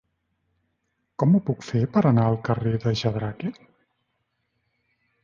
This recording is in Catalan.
Com ho puc fer per anar al carrer de Jadraque?